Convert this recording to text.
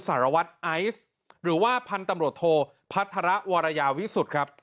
สรวจไอซ์หรือว่าพันธุ์ตำรวจโทวศิลป์พัทรวรรยาวิสุธิ์ครับ